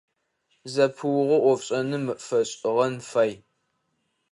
Зэпыугъо ӏофшӏэным фэшӏыгъэн фай.